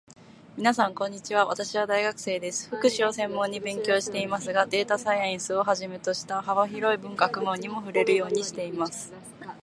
みなさん、こんにちは。私は大学生です。福祉を専門に勉強していますが、データサイエンスをはじめとした幅広い学問にも触れるようにしています。